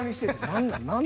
何なん？